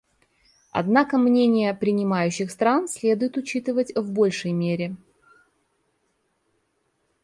Однако мнения принимающих стран следует учитывать в большей мере.